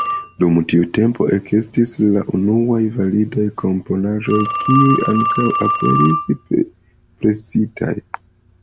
Dum tiu tempo ekestis la unuaj validaj komponaĵoj, kiuj ankaŭ aperis presitaj.